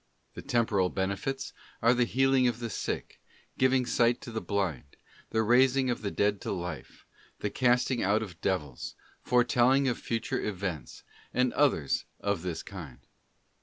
BOOK The Temporal benefits are the healing of the sick, giving ——— sight to the blind, the raising of the dead to life, the casting out of devils, foretelling of future events, and others of this kind.